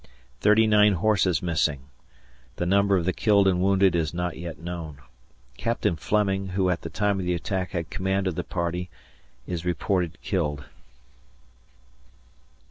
Thirty nine horses missing. The number of the killed and wounded is not yet known. Captain Fleming, who at the time of the attack had command of the party, is reported killed.